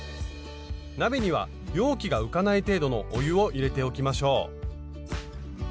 鍋には容器が浮かない程度のお湯を入れておきましょう。